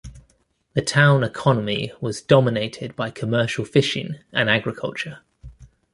The town economy was dominated by commercial fishing and agriculture.